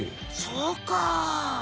そうか。